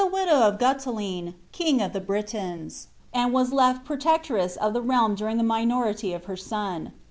XV widow of Gutiline, king of the Britons, and was ]efl protectress of the realm during the minority of her son.